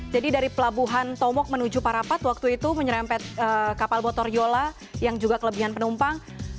jadi dari pelabuhan tomok menuju parapat waktu itu menyerempet kapal motor yola yang juga kelebihan penumpang